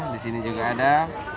di sini juga ada